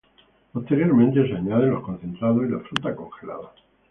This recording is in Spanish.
Posteriormente, se añade los concentrados y la fruta congelada.